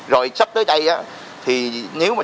rồi sắp tới đây thì nếu mà